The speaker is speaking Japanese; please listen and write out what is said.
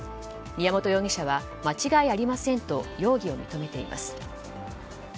宮元容疑者は間違いありませんと容疑を認めています。